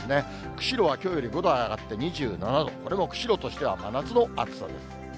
釧路はきょうより５度上がって２７度、これも釧路としては真夏の暑さです。